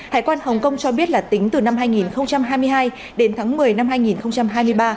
hải quan hồng kông cho biết là tính từ năm hai nghìn hai mươi hai đến tháng một mươi năm hai nghìn hai mươi ba